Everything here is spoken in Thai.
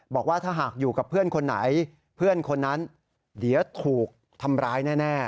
บอกว่าถ้าหากอยู่กับเพื่อนคนไหนเพื่อนคนนั้นเดี๋ยวถูกทำร้ายแน่